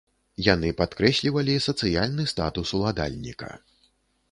Яны падкрэслівалі сацыяльны статус ўладальніка.